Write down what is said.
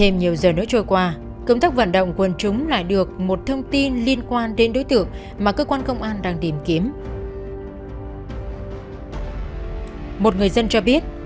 một người dân cho biết